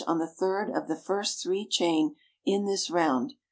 on the third of the first 3 ch. in this round.